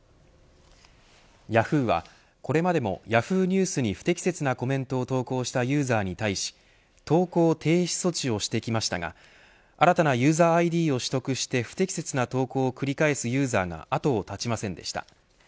ヤフーはこれまでもＹａｈｏｏ！ニュースに不適切なコメントを投稿したユーザーに対し投稿停止措置をしてきましたが新たなユーザーＩＤを取得して不適切な投稿を繰り返すユーザーが後を絶ちませんでした。